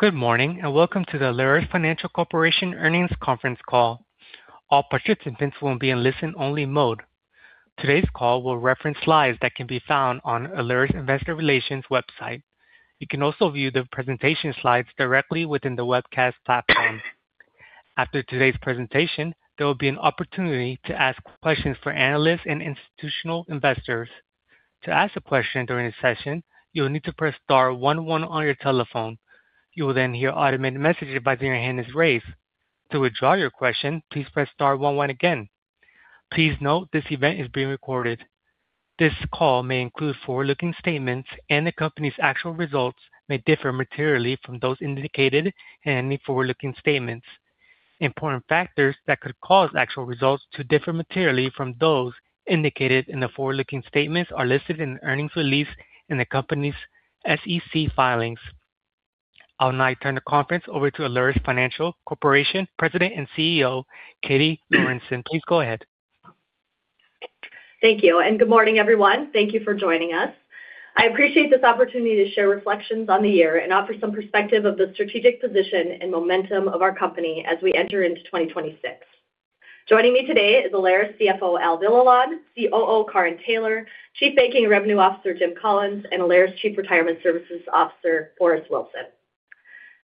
Good morning, and welcome to the Alerus Financial Corporation earnings conference call. All participants will be in listen-only mode. Today's call will reference slides that can be found on Alerus Investor Relations website. You can also view the presentation slides directly within the webcast platform. After today's presentation, there will be an opportunity to ask questions for analysts and institutional investors. To ask a question during the session, you will need to press star one one on your telephone. You will then hear automated messages saying your hand is raised. To withdraw your question, please press star one one again. Please note, this event is being recorded. This call may include forward-looking statements, and the company's actual results may differ materially from those indicated in any forward-looking statements. Important factors that could cause actual results to differ materially from those indicated in the forward-looking statements are listed in the earnings release in the company's SEC filings. I'll now turn the conference over to Alerus Financial Corporation, President and CEO, Katie Lorenson. Please go ahead. Thank you, and good morning, everyone. Thank you for joining us. I appreciate this opportunity to share reflections on the year and offer some perspective of the strategic position and momentum of our company as we enter into 2026. Joining me today is Alerus CFO, Al Villalon, COO, Karin Taylor, Chief Banking and Revenue Officer, Jim Collins, and Alerus Chief Retirement Services Officer, Forrest Wilson.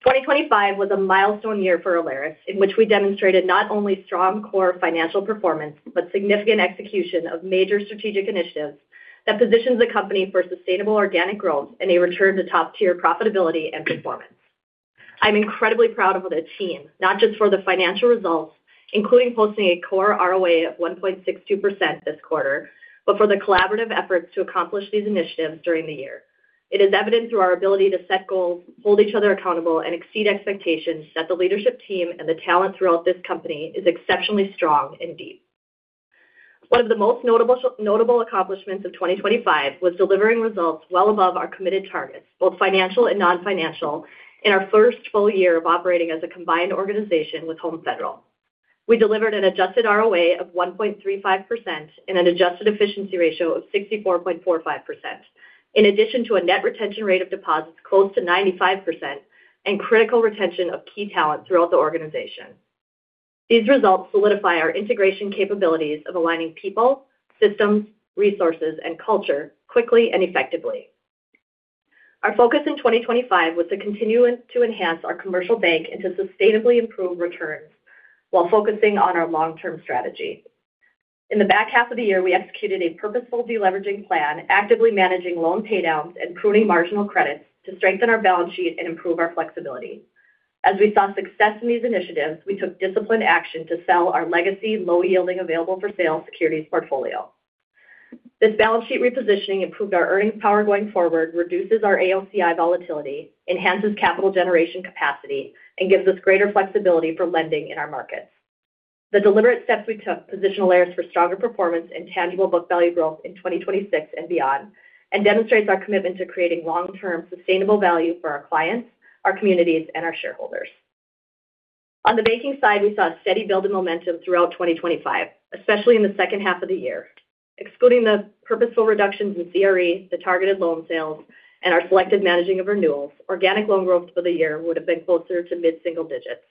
2025 was a milestone year for Alerus, in which we demonstrated not only strong core financial performance but significant execution of major strategic initiatives that positions the company for sustainable organic growth and a return to top-tier profitability and performance. I'm incredibly proud of the team, not just for the financial results, including posting a core ROA of 1.62% this quarter, but for the collaborative efforts to accomplish these initiatives during the year. It is evident through our ability to set goals, hold each other accountable, and exceed expectations that the leadership team and the talent throughout this company is exceptionally strong and deep. One of the most notable, notable accomplishments of 2025 was delivering results well above our committed targets, both financial and non-financial, in our first full year of operating as a combined organization with Home Federal. We delivered an adjusted ROA of 1.35% and an adjusted efficiency ratio of 64.45%, in addition to a net retention rate of deposits close to 95% and critical retention of key talent throughout the organization. These results solidify our integration capabilities of aligning people, systems, resources, and culture quickly and effectively. Our focus in 2025 was to continue to enhance our commercial bank and to sustainably improve returns while focusing on our long-term strategy. In the back half of the year, we executed a purposeful deleveraging plan, actively managing loan paydowns and pruning marginal credits to strengthen our balance sheet and improve our flexibility. As we saw success in these initiatives, we took disciplined action to sell our legacy low-yielding available-for-sale securities portfolio. This balance sheet repositioning improved our earnings power going forward, reduces our AOCI volatility, enhances capital generation capacity, and gives us greater flexibility for lending in our markets. The deliberate steps we took position Alerus for stronger performance and tangible book value growth in 2026 and beyond, and demonstrates our commitment to creating long-term sustainable value for our clients, our communities, and our shareholders. On the banking side, we saw a steady build in momentum throughout 2025, especially in the second half of the year. Excluding the purposeful reductions in CRE, the targeted loan sales, and our selective managing of renewals, organic loan growth for the year would have been closer to mid-single digits.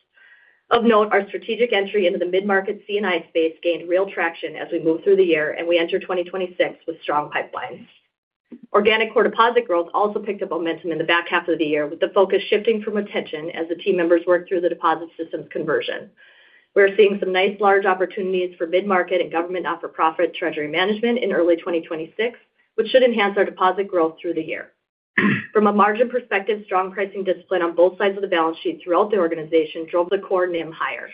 Of note, our strategic entry into the mid-market C&I space gained real traction as we moved through the year, and we enter 2026 with strong pipelines. Organic core deposit growth also picked up momentum in the back half of the year, with the focus shifting from retention as the team members worked through the deposit systems conversion. We are seeing some nice large opportunities for mid-market and government not-for-profit treasury management in early 2026, which should enhance our deposit growth through the year. From a margin perspective, strong pricing discipline on both sides of the balance sheet throughout the organization drove the core NIM higher.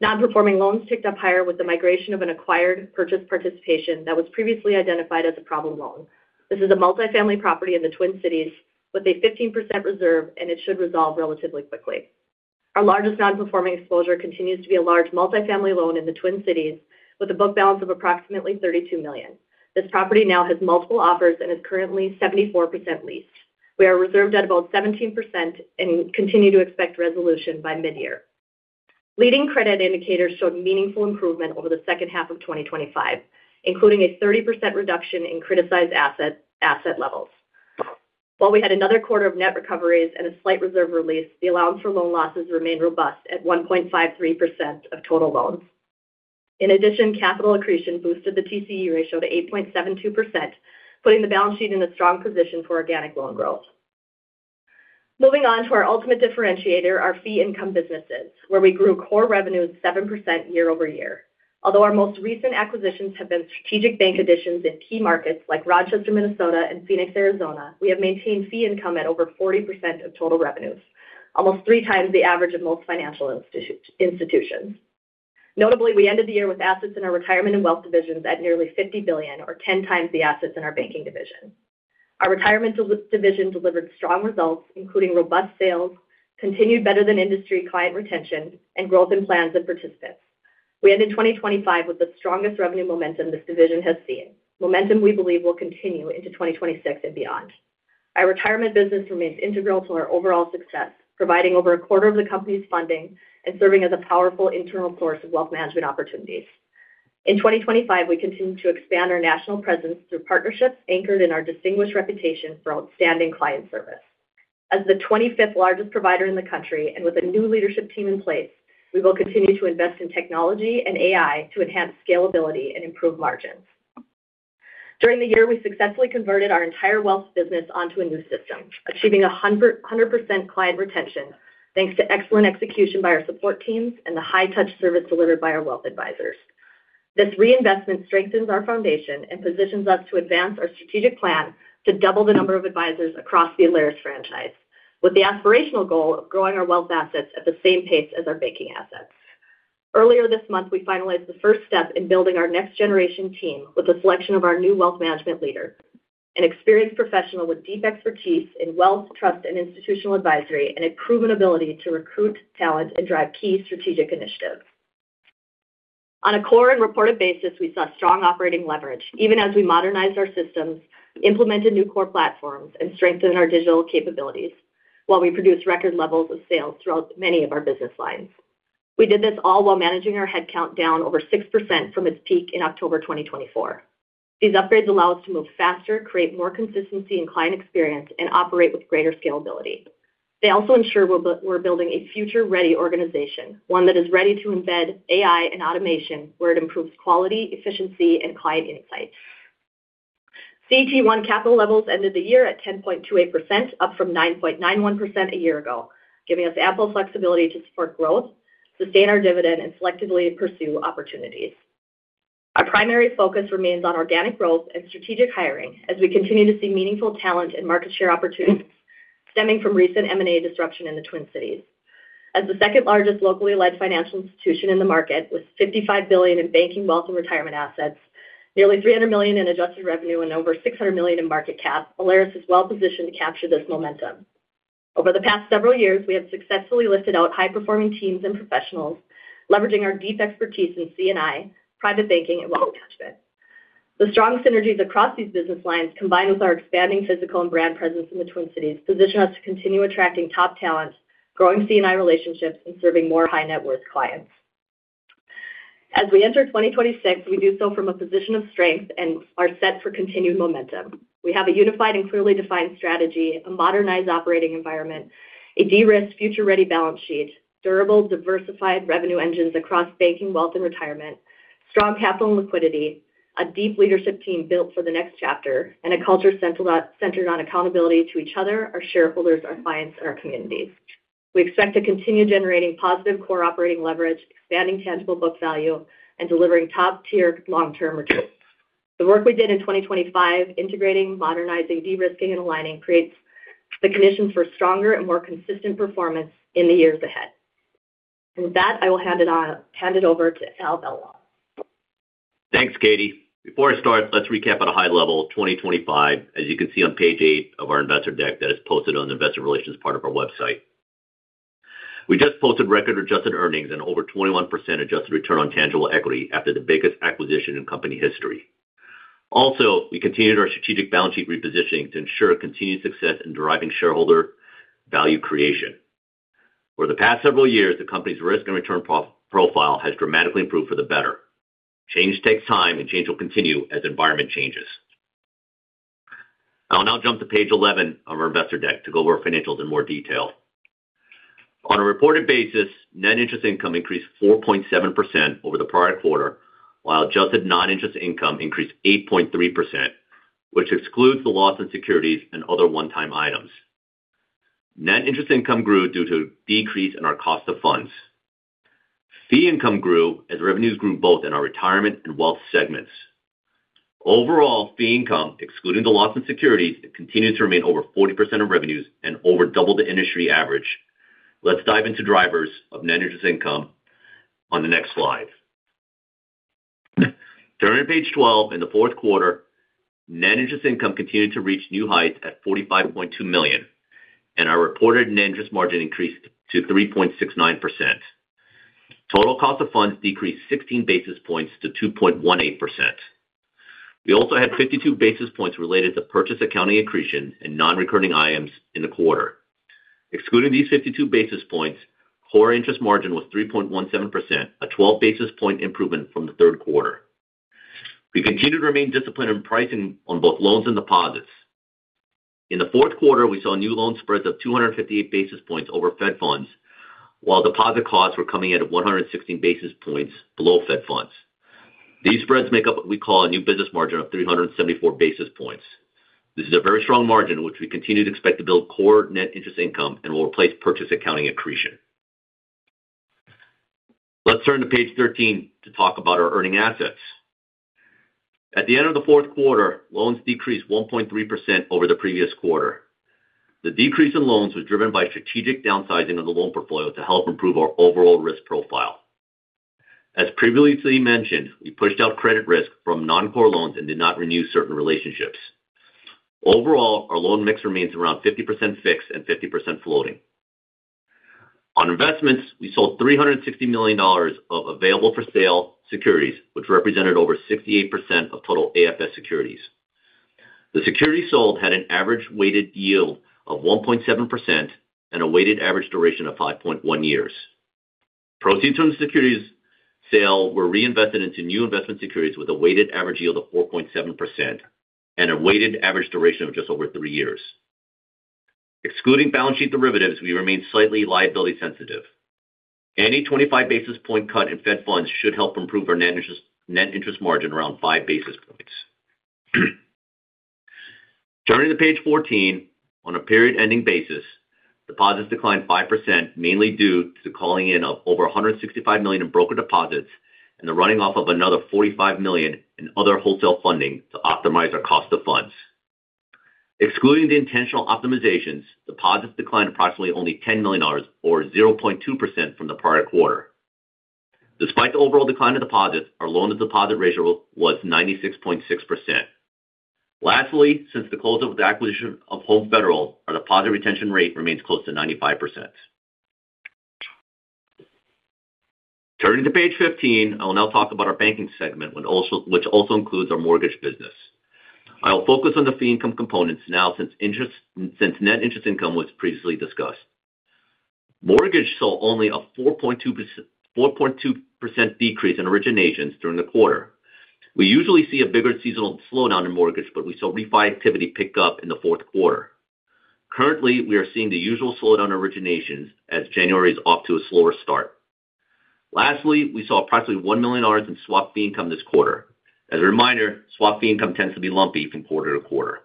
Non-performing loans ticked up higher with the migration of an acquired purchase participation that was previously identified as a problem loan. This is a multifamily property in the Twin Cities with a 15% reserve, and it should resolve relatively quickly. Our largest non-performing exposure continues to be a large multifamily loan in the Twin Cities with a book balance of approximately $32 million. This property now has multiple offers and is currently 74% leased. We are reserved at about 17% and continue to expect resolution by mid-year. Leading credit indicators showed meaningful improvement over the second half of 2025, including a 30% reduction in criticized asset levels. While we had another quarter of net recoveries and a slight reserve release, the allowance for loan losses remained robust at 1.53% of total loans. In addition, capital accretion boosted the TCE ratio to 8.72%, putting the balance sheet in a strong position for organic loan growth. Moving on to our ultimate differentiator, our fee income businesses, where we grew core revenues 7% year-over-year. Although our most recent acquisitions have been strategic bank additions in key markets like Rochester, Minnesota, and Phoenix, Arizona, we have maintained fee income at over 40% of total revenues, almost three times the average of most financial institutions. Notably, we ended the year with assets in our retirement and wealth divisions at nearly $50 billion, or ten times the assets in our banking division. Our retirement division delivered strong results, including robust sales, continued better-than-industry client retention, and growth in plans and participants. We ended 2025 with the strongest revenue momentum this division has seen. Momentum we believe will continue into 2026 and beyond. Our retirement business remains integral to our overall success, providing over a quarter of the company's funding and serving as a powerful internal source of wealth management opportunities.... In 2025, we continued to expand our national presence through partnerships anchored in our distinguished reputation for outstanding client service. As the 25th largest provider in the country, and with a new leadership team in place, we will continue to invest in technology and AI to enhance scalability and improve margins. During the year, we successfully converted our entire wealth business onto a new system, achieving 100% client retention, thanks to excellent execution by our support teams and the high-touch service delivered by our wealth advisors. This reinvestment strengthens our foundation and positions us to advance our strategic plan to double the number of advisors across the Alerus franchise, with the aspirational goal of growing our wealth assets at the same pace as our banking assets. Earlier this month, we finalized the first step in building our next generation team with the selection of our new wealth management leader, an experienced professional with deep expertise in wealth, trust, and institutional advisory, and a proven ability to recruit talent and drive key strategic initiatives. On a core and reported basis, we saw strong operating leverage, even as we modernized our systems, implemented new core platforms, and strengthened our digital capabilities, while we produced record levels of sales throughout many of our business lines. We did this all while managing our headcount down over 6% from its peak in October 2024. These upgrades allow us to move faster, create more consistency in client experience, and operate with greater scalability. They also ensure we're building a future-ready organization, one that is ready to embed AI and automation where it improves quality, efficiency, and client insights. CET1 capital levels ended the year at 10.28%, up from 9.91% a year ago, giving us ample flexibility to support growth, sustain our dividend, and selectively pursue opportunities. Our primary focus remains on organic growth and strategic hiring as we continue to see meaningful talent and market share opportunities stemming from recent M&A disruption in the Twin Cities. As the second-largest locally led financial institution in the market, with $55 billion in banking, wealth, and retirement assets, nearly $300 million in adjusted revenue, and over $600 million in market cap, Alerus is well positioned to capture this momentum. Over the past several years, we have successfully lifted out high-performing teams and professionals, leveraging our deep expertise in C&I, private banking, and wealth management. The strong synergies across these business lines, combined with our expanding physical and brand presence in the Twin Cities, position us to continue attracting top talent, growing C&I relationships, and serving more high-net-worth clients. As we enter 2026, we do so from a position of strength and are set for continued momentum. We have a unified and clearly defined strategy, a modernized operating environment, a de-risked, future-ready balance sheet, durable, diversified revenue engines across banking, wealth, and retirement, strong capital and liquidity, a deep leadership team built for the next chapter, and a culture centered on accountability to each other, our shareholders, our clients, and our communities. We expect to continue generating positive core operating leverage, expanding tangible book value, and delivering top-tier long-term returns. The work we did in 2025, integrating, modernizing, de-risking, and aligning, creates the conditions for stronger and more consistent performance in the years ahead. With that, I will hand it on, hand it over to Al Villalon. Thanks, Katie. Before I start, let's recap at a high level, 2025, as you can see on page 8 of our investor deck that is posted on the investor relations part of our website. We just posted record-adjusted earnings and over 21% adjusted return on tangible equity after the biggest acquisition in company history. Also, we continued our strategic balance sheet repositioning to ensure continued success in deriving shareholder value creation. For the past several years, the company's risk and return profile has dramatically improved for the better. Change takes time, and change will continue as the environment changes. I'll now jump to page 11 of our investor deck to go over financials in more detail. On a reported basis, net interest income increased 4.7% over the prior quarter, while adjusted non-interest income increased 8.3%, which excludes the loss in securities and other one-time items. Net interest income grew due to a decrease in our cost of funds. Fee income grew as revenues grew both in our retirement and wealth segments. Overall, fee income, excluding the loss in securities, continued to remain over 40% of revenues and over double the industry average. Let's dive into drivers of net interest income on the next slide. Turning to page 12, in the fourth quarter, net interest income continued to reach new heights at $45.2 million, and our reported net interest margin increased to 3.69%. Total cost of funds decreased 16 basis points to 2.18%. We also had 52 basis points related to purchase accounting accretion and non-recurring items in the quarter. Excluding these 52 basis points, core interest margin was 3.17%, a 12-basis point improvement from the third quarter. We continued to remain disciplined in pricing on both loans and deposits. In the fourth quarter, we saw new loan spreads of 258 basis points over Fed funds, while deposit costs were coming in at 116 basis points below Fed funds. These spreads make up what we call a new business margin of 374 basis points. This is a very strong margin, which we continue to expect to build core net interest income and will replace purchase accounting accretion. Let's turn to page 13 to talk about our earning assets. At the end of the fourth quarter, loans decreased 1.3% over the previous quarter. The decrease in loans was driven by strategic downsizing of the loan portfolio to help improve our overall risk profile. As previously mentioned, we pushed out credit risk from non-core loans and did not renew certain relationships. Overall, our loan mix remains around 50% fixed and 50% floating. On investments, we sold $360 million of available-for-sale securities, which represented over 68% of total AFS securities.... The securities sold had an average weighted yield of 1.7% and a weighted average duration of 5.1 years. Proceeds from the securities sale were reinvested into new investment securities with a weighted average yield of 4.7% and a weighted average duration of just over 3 years. Excluding balance sheet derivatives, we remain slightly liability sensitive. Any 25 basis point cut in Fed funds should help improve our net interest, net interest margin around 5 basis points. Turning to page 14, on a period-ending basis, deposits declined 5%, mainly due to the calling in of over $165 million in broker deposits and the running off of another $45 million in other wholesale funding to optimize our cost of funds. Excluding the intentional optimizations, deposits declined approximately only $10 million, or 0.2% from the prior quarter. Despite the overall decline in deposits, our loan-to-deposit ratio was 96.6%. Lastly, since the close of the acquisition of Home Federal, our deposit retention rate remains close to 95%. Turning to page 15, I will now talk about our banking segment, which also includes our mortgage business. I'll focus on the fee income components now, since net interest income was previously discussed. Mortgage saw only a 4.2%, 4.2% decrease in originations during the quarter. We usually see a bigger seasonal slowdown in mortgage, but we saw refi activity pick up in the fourth quarter. Currently, we are seeing the usual slowdown originations as January is off to a slower start. Lastly, we saw approximately $1 million in swap fee income this quarter. As a reminder, swap fee income tends to be lumpy from quarter to quarter.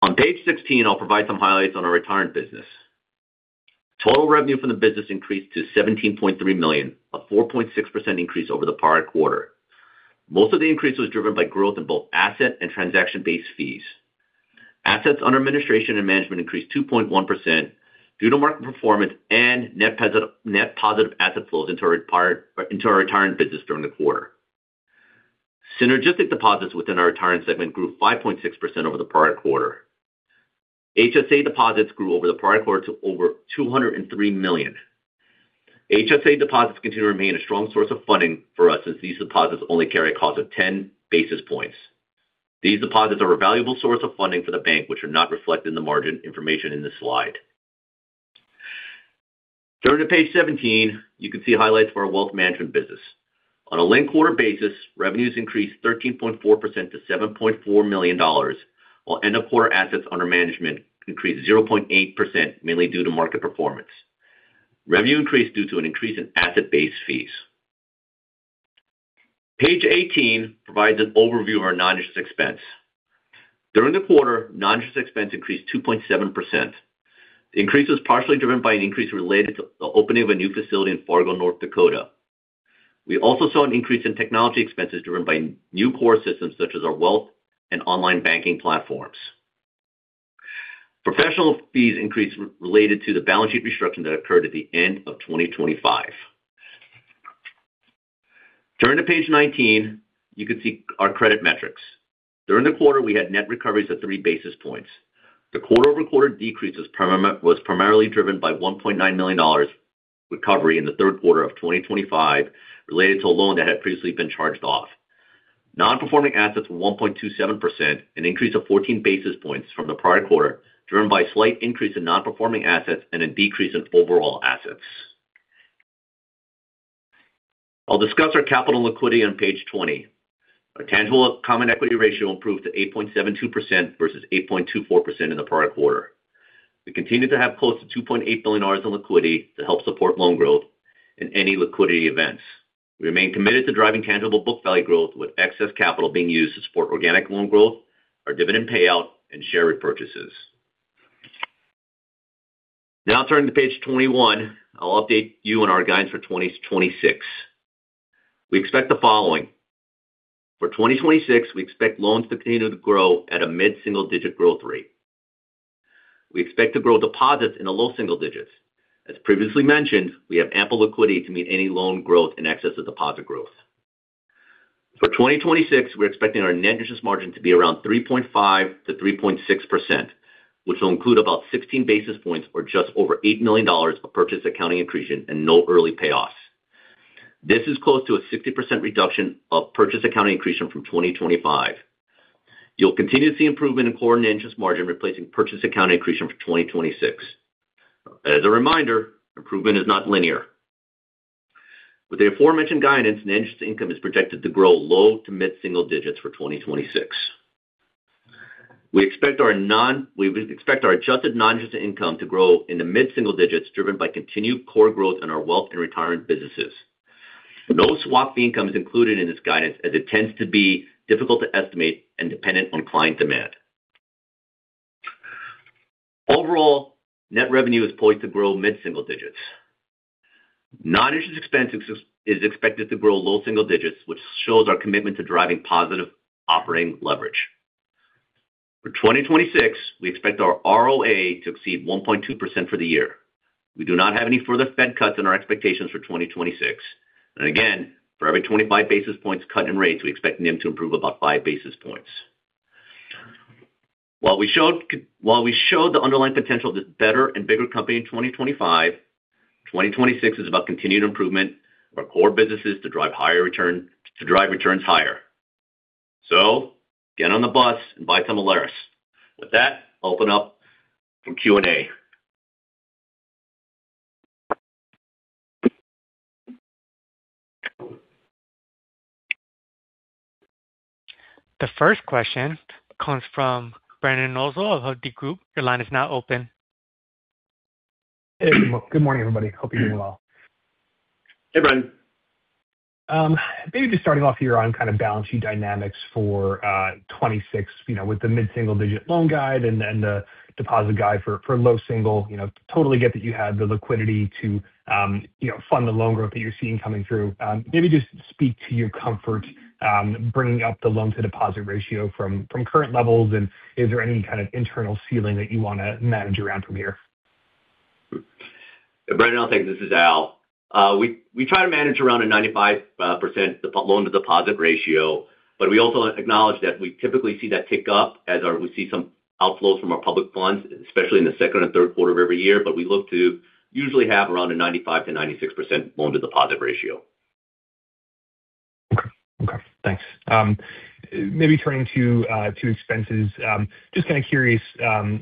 On page 16, I'll provide some highlights on our retirement business. Total revenue from the business increased to $17.3 million, a 4.6% increase over the prior quarter. Most of the increase was driven by growth in both asset and transaction-based fees. Assets under administration and management increased 2.1% due to market performance and net positive asset flows into our retirement business during the quarter. Synergistic deposits within our retirement segment grew 5.6% over the prior quarter. HSA deposits grew over the prior quarter to over $203 million. HSA deposits continue to remain a strong source of funding for us, as these deposits only carry a cost of 10 basis points. These deposits are a valuable source of funding for the bank, which are not reflected in the margin information in this slide. Turning to page 17, you can see highlights of our wealth management business. On a linked quarter basis, revenues increased 13.4% to $7.4 million, while end-of-quarter assets under management increased 0.8%, mainly due to market performance. Revenue increased due to an increase in asset-based fees. Page 18 provides an overview of our non-interest expense. During the quarter, non-interest expense increased 2.7%. The increase was partially driven by an increase related to the opening of a new facility in Fargo, North Dakota. We also saw an increase in technology expenses driven by new core systems such as our wealth and online banking platforms. Professional fees increased related to the balance sheet restriction that occurred at the end of 2025. Turning to page 19, you can see our credit metrics. During the quarter, we had net recoveries of 3 basis points. The quarter-over-quarter decrease was primarily driven by $1.9 million recovery in the third quarter of 2025 related to a loan that had previously been charged off. Non-performing assets were 1.27%, an increase of 14 basis points from the prior quarter, driven by a slight increase in non-performing assets and a decrease in overall assets. I'll discuss our capital liquidity on page 20. Our tangible common equity ratio improved to 8.72% versus 8.24% in the prior quarter. We continue to have close to $2.8 billion in liquidity to help support loan growth and any liquidity events. We remain committed to driving tangible book value growth, with excess capital being used to support organic loan growth, our dividend payout, and share repurchases. Now turning to page 21, I'll update you on our guidance for 2026. We expect the following: For 2026, we expect loans to continue to grow at a mid-single digit growth rate. We expect to grow deposits in the low single digits. As previously mentioned, we have ample liquidity to meet any loan growth in excess of deposit growth. For 2026, we're expecting our net interest margin to be around 3.5% to 3.6%, which will include about 16 basis points or just over $8 million of purchase accounting accretion and no early payoffs. This is close to a 60% reduction of purchase accounting accretion from 2025. You'll continue to see improvement in core interest margin, replacing purchase accounting accretion for 2026. As a reminder, improvement is not linear. With the aforementioned guidance, net interest income is projected to grow low to mid-single digits for 2026. We expect our adjusted non-interest income to grow in the mid-single digits, driven by continued core growth in our wealth and retirement businesses. No swap fee income is included in this guidance, as it tends to be difficult to estimate and dependent on client demand. Overall, net revenue is poised to grow mid-single digits. Non-interest expense is expected to grow low single digits, which shows our commitment to driving positive operating leverage. For 2026, we expect our ROA to exceed 1.2% for the year. We do not have any further Fed cuts in our expectations for 2026. And again, for every 25 basis points cut in rates, we expect them to improve about five basis points. While we showed the underlying potential of this better and bigger company in 2025, 2026 is about continued improvement of our core businesses to drive higher return, to drive returns higher. So get on the bus and buy some Alerus. With that, I'll open up from Q&A. The first question comes from Brendan Nosal of Hovde Group. Your line is now open. Good morning, everybody. Hope you're doing well. Hey, Brandan. Maybe just starting off here on kind of balancing dynamics for 2026, you know, with the mid-single-digit loan guide and the deposit guide for low single. You know, totally get that you have the liquidity to, you know, fund the loan growth that you're seeing coming through. Maybe just speak to your comfort bringing up the loan to deposit ratio from current levels, and is there any kind of internal ceiling that you want to manage around from here? Brendan, thanks. This is Al. We try to manage around a 95% loan to deposit ratio, but we also acknowledge that we typically see that tick up as we see some outflows from our public funds, especially in the second and third quarter of every year. But we look to usually have around a 95%-96% loan to deposit ratio. Okay. Okay, thanks. Maybe turning to expenses. Just kind of curious,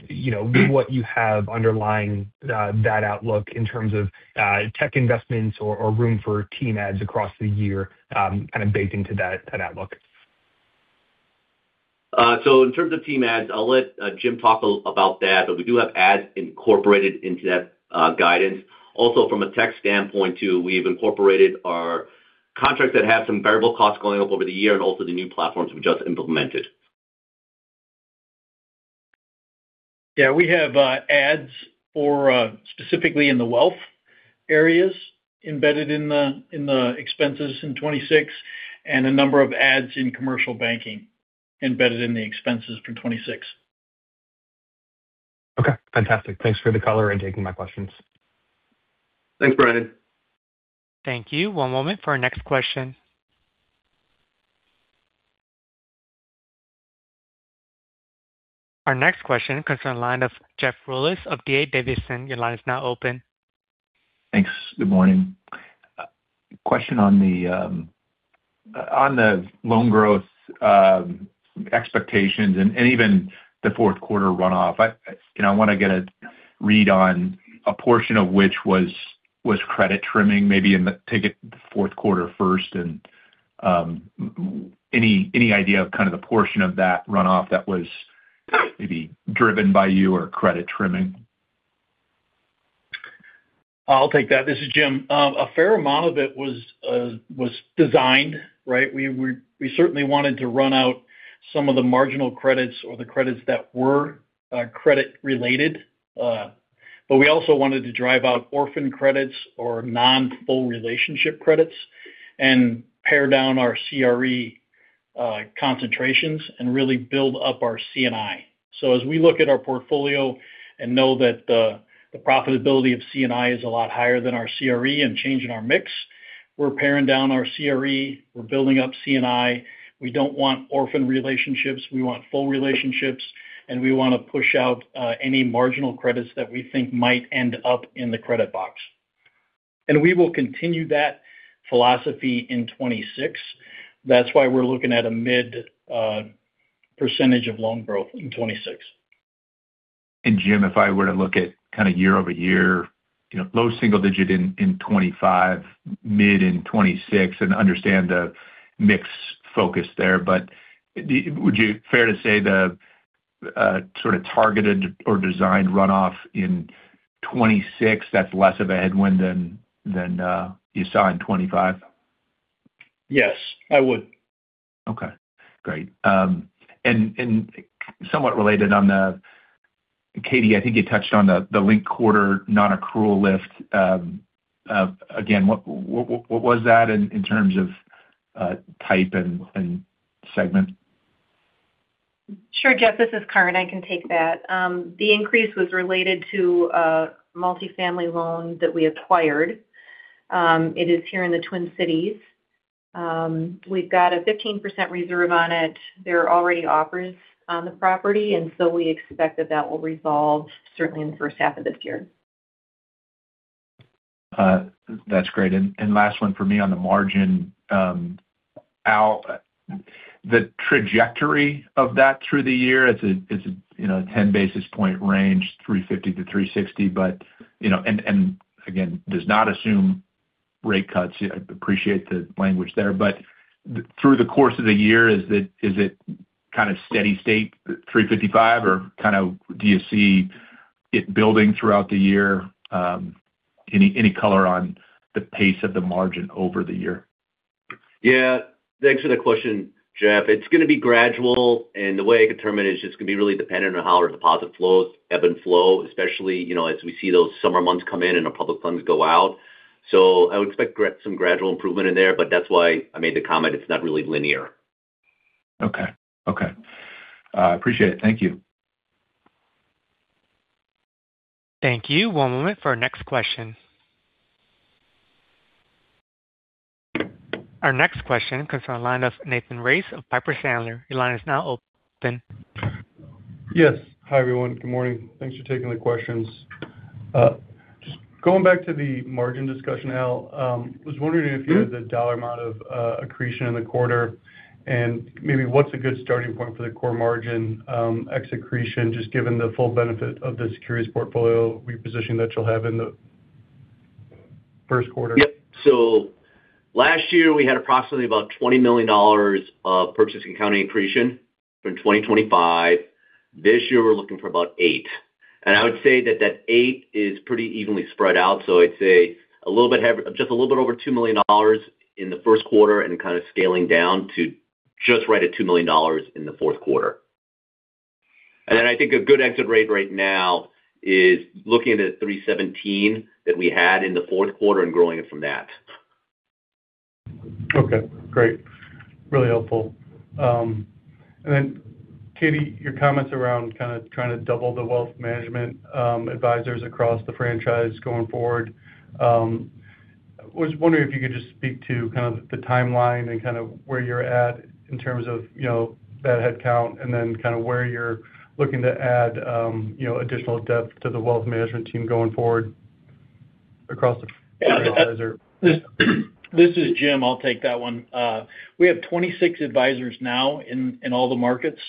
you know, with what you have underlying, that outlook in terms of tech investments or room for team ads across the year, kind of baked into that outlook. So in terms of team ads, I'll let Jim talk about that, but we do have ads incorporated into that guidance. Also, from a tech standpoint, too, we've incorporated our contracts that have some variable costs going up over the year and also the new platforms we've just implemented. Yeah, we have ads for specifically in the wealth areas embedded in the expenses in 2026 and a number of ads in commercial banking embedded in the expenses for 2026. Okay, fantastic. Thanks for the color and taking my questions. Thanks, Brendan. Thank you. One moment for our next question. Our next question comes from the line of Jeff Rulis of D.A. Davidson. Your line is now open. Thanks. Good morning. Question on the loan growth expectations and even the fourth quarter runoff. You know, I want to get a read on a portion of which was credit trimming, maybe in the - take it the fourth quarter first and any idea of kind of the portion of that runoff that was maybe driven by you or credit trimming? I'll take that. This is Jim. A fair amount of it was designed, right? We certainly wanted to run out some of the marginal credits or the credits that were credit related. But we also wanted to drive out orphan credits or non-full relationship credits and pare down our CRE concentrations and really build up our C&I. So as we look at our portfolio and know that the profitability of C&I is a lot higher than our CRE and changing our mix, we're paring down our CRE, we're building up C&I. We don't want orphan relationships, we want full relationships, and we want to push out any marginal credits that we think might end up in the credit box. And we will continue that philosophy in 2026. That's why we're looking at a mid percentage of loan growth in 2026. Jim, if I were to look at kind of year-over-year, you know, low single digit in 2025, mid in 2026, and understand the mix focus there, but would you fair to say the sort of targeted or designed runoff in 2026, that's less of a headwind than you saw in 2025? Yes, I would. Okay, great. And somewhat related on the... Katie, I think you touched on the linked quarter, non-accrual lift. Again, what was that in terms of type and segment? Sure, Jeff, this is Karin. I can take that. The increase was related to a multifamily loan that we acquired. It is here in the Twin Cities. We've got a 15% reserve on it. There are already offers on the property, and so we expect that that will resolve certainly in the first half of this year. That's great. And, and last one for me on the margin. Al, the trajectory of that through the year, it's a, it's a, you know, 10 basis point range, 3.50 to 3.60. But, you know, and, and again, does not assume rate cuts. I appreciate the language there. But through the course of the year, is it, is it kind of steady state 3.55, or kind of do you see it building throughout the year? Any, any color on the pace of the margin over the year? Yeah. Thanks for the question, Jeff. It's going to be gradual, and the way I determine it, it's just going to be really dependent on how our deposit flows ebb and flow, especially, you know, as we see those summer months come in and our public funds go out. So I would expect some gradual improvement in there, but that's why I made the comment, it's not really linear. Okay. Okay. Appreciate it. Thank you. Thank you. One moment for our next question.... Our next question comes from the line of Nathan Race of Piper Sandler. Your line is now open. Yes. Hi, everyone. Good morning. Thanks for taking the questions. Just going back to the margin discussion, Al, I was wondering if you had the dollar amount of accretion in the quarter, and maybe what's a good starting point for the core margin, ex accretion, just given the full benefit of the securities portfolio reposition that you'll have in the first quarter? Yep. So last year, we had approximately about $20 million of purchase accounting accretion for 2025. This year, we're looking for about $8 million. And I would say that that eight is pretty evenly spread out. So I'd say a little bit just a little bit over $2 million in the first quarter and kind of scaling down to just right at $2 million in the fourth quarter. And then I think a good exit rate right now is looking at the 317 that we had in the fourth quarter and growing it from that. Okay, great. Really helpful. And then, Katie, your comments around kind of trying to double the wealth management, advisors across the franchise going forward. I was wondering if you could just speak to kind of the timeline and kind of where you're at in terms of, you know, that headcount, and then kind of where you're looking to add, you know, additional depth to the wealth management team going forward across the advisor? This is Jim. I'll take that one. We have 26 advisors now in all the markets.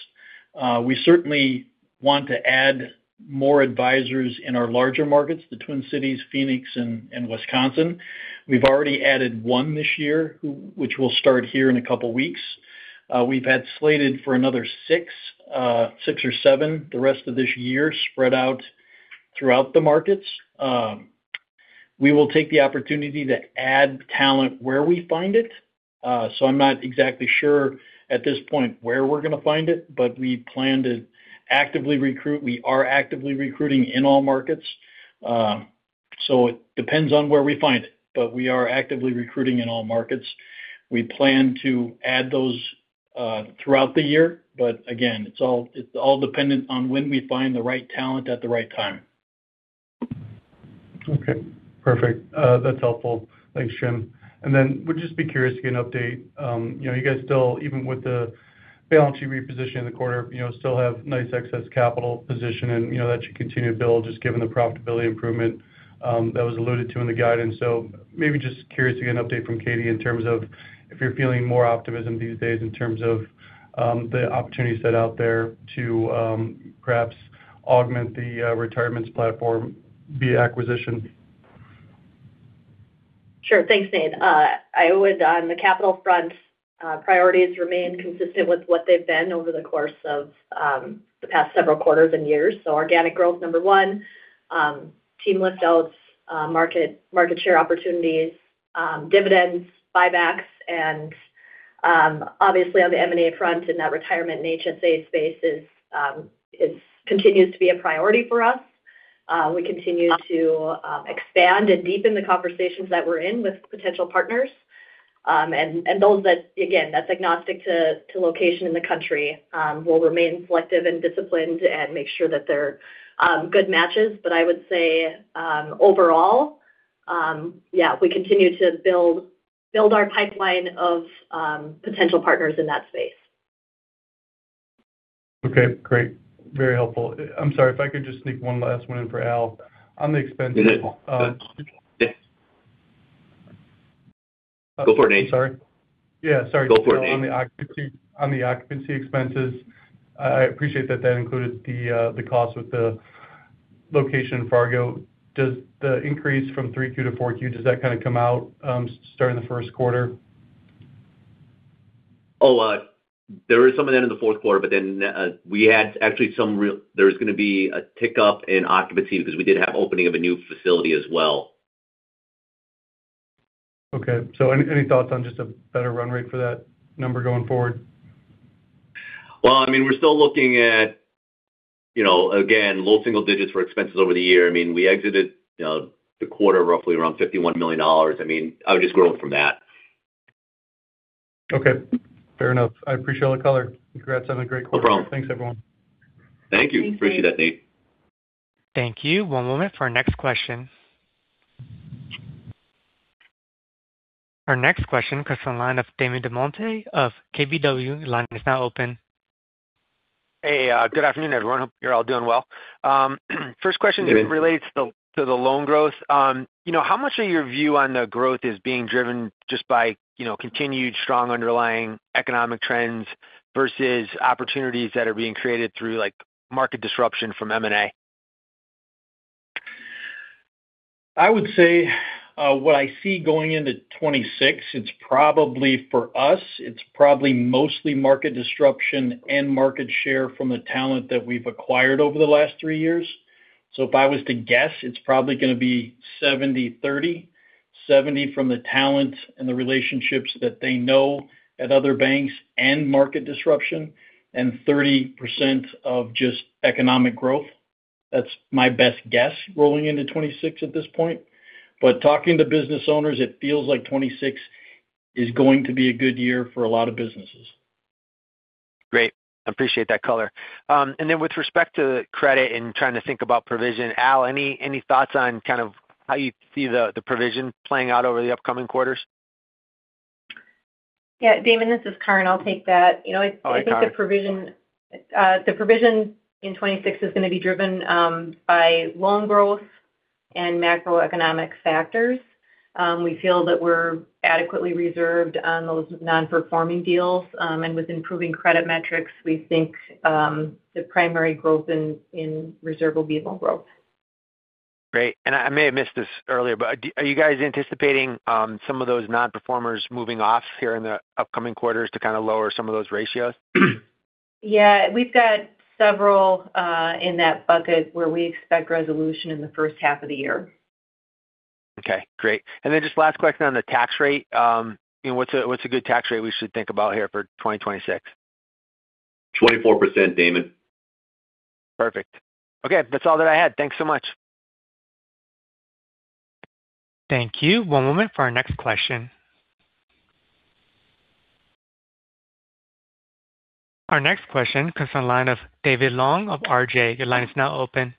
We certainly want to add more advisors in our larger markets, the Twin Cities, Phoenix, and Wisconsin. We've already added one this year, which will start here in a couple of weeks. We've had slated for another six, six or seven, the rest of this year, spread out throughout the markets. We will take the opportunity to add talent where we find it. So I'm not exactly sure at this point where we're going to find it, but we plan to actively recruit. We are actively recruiting in all markets. So it depends on where we find it, but we are actively recruiting in all markets. We plan to add those, throughout the year, but again, it's all, it's all dependent on when we find the right talent at the right time. Okay, perfect. That's helpful. Thanks, Jim. Then would just be curious to get an update. You know, you guys still, even with the balance sheet reposition in the quarter, you know, still have nice excess capital position, and, you know, that should continue to build, just given the profitability improvement that was alluded to in the guidance. So maybe just curious to get an update from Katie in terms of if you're feeling more optimism these days in terms of the opportunity set out there to perhaps augment the retirements platform via acquisition. Sure. Thanks, Nate. I would, on the capital front, priorities remain consistent with what they've been over the course of the past several quarters and years. So organic growth, number one, team lift outs, market share opportunities, dividends, buybacks, and obviously on the M&A front, and that retirement and HSA space is continues to be a priority for us. We continue to expand and deepen the conversations that we're in with potential partners. And those that, again, that's agnostic to location in the country, we'll remain selective and disciplined and make sure that they're good matches. But I would say, overall, yeah, we continue to build our pipeline of potential partners in that space. Okay, great. Very helpful. I'm sorry, if I could just sneak one last one in for Al on the expense. Go for it, Nate. Sorry. Yeah, sorry. Go for it, Nate. On the occupancy, on the occupancy expenses, I appreciate that that included the, the cost with the location in Fargo. Does the increase from 3Q to 4Q, does that kind of come out, starting the first quarter? Oh, there is some of that in the fourth quarter, but then, we had actually. There's gonna be a tick up in occupancy because we did have opening of a new facility as well. Okay. So any thoughts on just a better run rate for that number going forward? Well, I mean, we're still looking at, you know, again, low single digits for expenses over the year. I mean, we exited, you know, the quarter roughly around $51 million. I mean, I would just grow up from that. Okay, fair enough. I appreciate all the color. Congrats on a great call. No problem. Thanks, everyone. Thank you. Thank you. Appreciate that, Nate. Thank you. One moment for our next question. Our next question comes from the line of Damon DelMonte of KBW. The line is now open. Hey, good afternoon, everyone. Hope you're all doing well. First question relates to the loan growth. You know, how much of your view on the growth is being driven just by, you know, continued strong underlying economic trends versus opportunities that are being created through, like, market disruption from M&A? I would say what I see going into 2026, it's probably for us, it's probably mostly market disruption and market share from the talent that we've acquired over the last three years. So if I was to guess, it's probably gonna be 70/30. Seventy from the talent and the relationships that they know at other banks and market disruption, and 30% of just economic growth. That's my best guess rolling into 2026 at this point. But talking to business owners, it feels like 2026 is going to be a good year for a lot of businesses.... Great. I appreciate that color. And then with respect to credit and trying to think about provision, Al, any, any thoughts on kind of how you see the, the provision playing out over the upcoming quarters? Yeah, Damon, this is Karin. I'll take that. You know- Oh, hi, Karen. I think the provision, the provision in 2026 is going to be driven by loan growth and macroeconomic factors. We feel that we're adequately reserved on those non-performing deals. And with improving credit metrics, we think the primary growth in reserve will be loan growth. Great. And I may have missed this earlier, but are you guys anticipating some of those non-performers moving off here in the upcoming quarters to kind of lower some of those ratios? Yeah, we've got several in that bucket where we expect resolution in the first half of the year. Okay, great. And then just last question on the tax rate. You know, what's a good tax rate we should think about here for 2026? 24%, Damon. Perfect. Okay, that's all that I had. Thanks so much. Thank you. One moment for our next question. Our next question comes from the line of David Long of RJ. Your line is now open.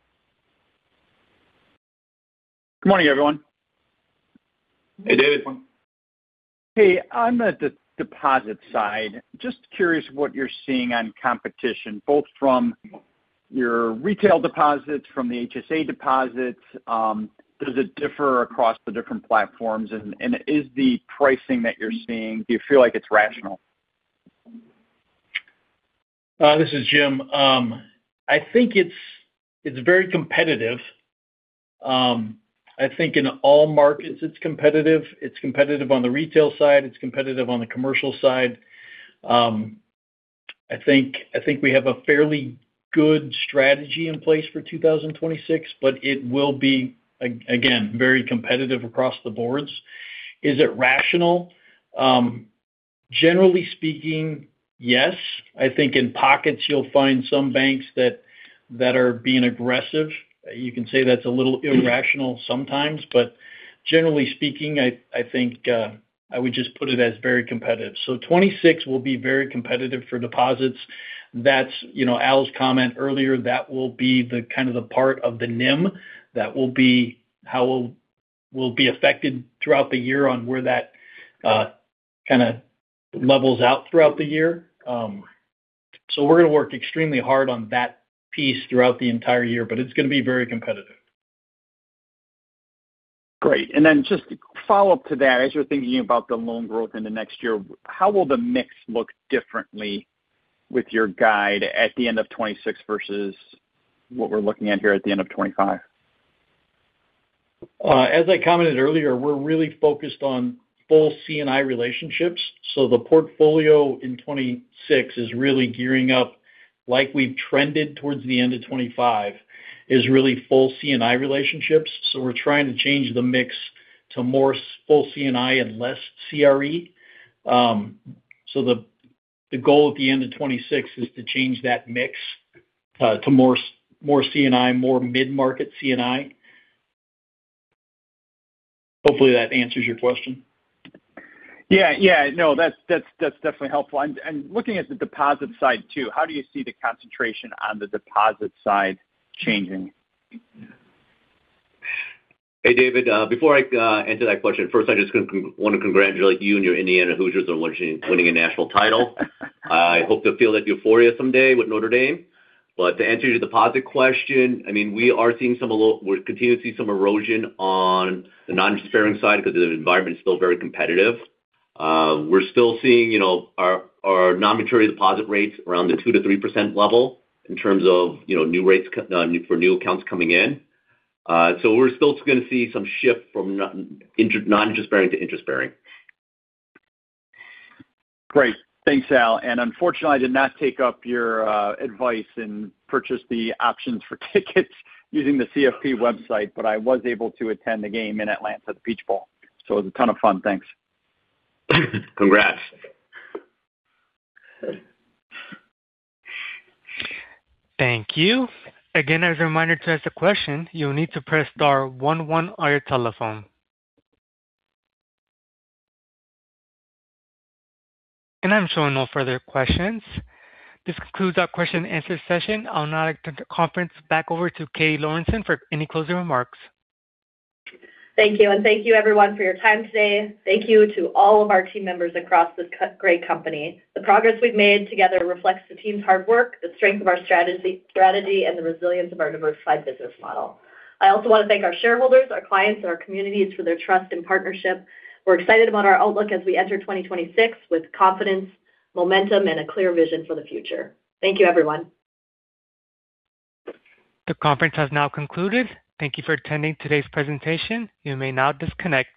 Good morning, everyone. Hey, David. Hey, on the deposit side, just curious what you're seeing on competition, both from your retail deposits, from the HSA deposits. Does it differ across the different platforms? And is the pricing that you're seeing, do you feel like it's rational? This is Jim. I think it's very competitive. I think in all markets, it's competitive. It's competitive on the retail side, it's competitive on the commercial side. I think we have a fairly good strategy in place for 2026, but it will be again very competitive across the boards. Is it rational? Generally speaking, yes. I think in pockets, you'll find some banks that are being aggressive. You can say that's a little irrational sometimes, but generally speaking, I think I would just put it as very competitive. So 2026 will be very competitive for deposits. That's, you know, Al's comment earlier, that will be the kind of the part of the NIM that will be, how it will be affected throughout the year on where that kind of levels out throughout the year. So, we're going to work extremely hard on that piece throughout the entire year, but it's going to be very competitive. Great. And then just to follow up to that, as you're thinking about the loan growth in the next year, how will the mix look differently with your guide at the end of 2026 versus what we're looking at here at the end of 2025? As I commented earlier, we're really focused on full C&I relationships. So the portfolio in 26 is really gearing up like we've trended towards the end of 25, is really full C&I relationships. So we're trying to change the mix to more full C&I and less CRE. So the goal at the end of 26 is to change that mix to more more C&I, more mid-market C&I. Hopefully, that answers your question. Yeah. Yeah. No, that's definitely helpful. And looking at the deposit side, too, how do you see the concentration on the deposit side changing? Hey, David, before I answer that question, first, I just want to congratulate you and your Indiana Hoosiers on winning a national title. I hope to feel that euphoria someday with Notre Dame. But to answer your deposit question, I mean, we are seeing some of the -- we're continuing to see some erosion on the non-interest bearing side because the environment is still very competitive. We're still seeing, you know, our non-maturity deposit rates around the 2% to 3% level in terms of, you know, new rates for new accounts coming in. So we're still going to see some shift from non-interest bearing to interest bearing. Great. Thanks, Al. Unfortunately, I did not take up your advice and purchase the options for tickets using the CFP website, but I was able to attend the game in Atlanta at the Peach Bowl, so it was a ton of fun. Thanks. Congrats. Thank you. Again, as a reminder to ask a question, you'll need to press star one one on your telephone. I'm showing no further questions. This concludes our question and answer session. I'll now turn the conference back over to Katie Lorenson for any closing remarks. Thank you, and thank you everyone for your time today. Thank you to all of our team members across this great company. The progress we've made together reflects the team's hard work, the strength of our strategy, and the resilience of our diversified business model. I also want to thank our shareholders, our clients, and our communities for their trust and partnership. We're excited about our outlook as we enter 2026 with confidence, momentum, and a clear vision for the future. Thank you, everyone. The conference has now concluded. Thank you for attending today's presentation. You may now disconnect.